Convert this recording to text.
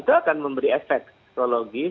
itu akan memberi efek psikologis